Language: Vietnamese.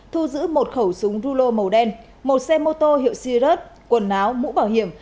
thu giữ một khẩu súng rulo màu đen một xe mô tô hiệu sirus quần áo mũ bảo hiểm